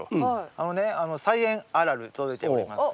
あのね「菜園あるある」届いております。